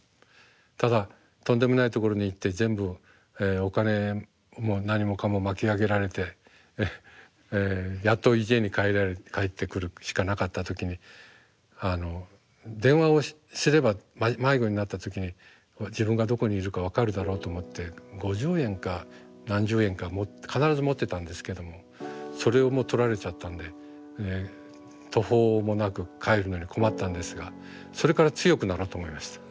ただとんでもないところに行って全部お金も何もかも巻き上げられてやっと家に帰ってくるしかなかった時にあの電話をすれば迷子になった時に自分がどこにいるか分かるだろうと思って５０円か何十円か持って必ず持ってたんですけどもそれをもうとられちゃったんで途方もなく帰るのに困ったんですがそれから強くなろうと思いました。